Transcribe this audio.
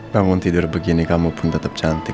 bangun tidur begini kamu pun tetap cantik